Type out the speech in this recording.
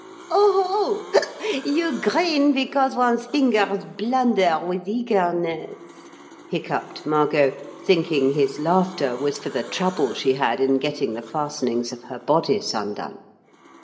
"Oho! you grin because one's fingers blunder with eagerness," hiccoughed Margot, thinking his laughter was for the trouble she had in getting the fastenings of her bodice undone.